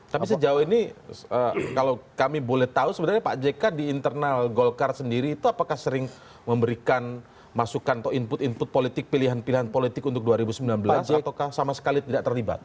tapi sejauh ini kalau kami boleh tahu sebenarnya pak jk di internal golkar sendiri itu apakah sering memberikan masukan atau input input politik pilihan pilihan politik untuk dua ribu sembilan belas ataukah sama sekali tidak terlibat